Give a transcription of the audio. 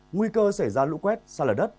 nguy cơ xảy ra lũ quét xa lở đất